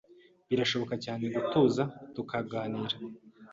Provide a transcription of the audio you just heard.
Birashoboka cyane gutuza tukaganira